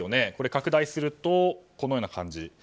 拡大するとこのような感じ。